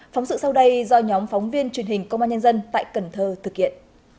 phóng sự sau đây do nhóm phóng viên truyền hình công an nhân dân tại cần thơ thực hiện